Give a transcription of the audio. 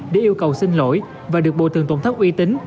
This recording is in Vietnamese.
để yêu cầu xin lỗi và được bộ thường tổng thất uy tín